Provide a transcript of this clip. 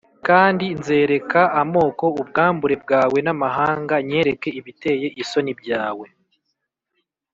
kandi nzereka amoko ubwambure bwawe n’amahanga nyereke ibiteye isoni byawe.